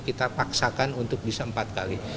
kita paksakan untuk bisa empat kali